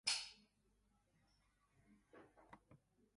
Pani ja nic nie mowie protiv, nic nie powiedzalem.